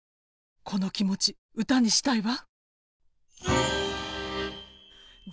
この気持ち歌にしたいわ。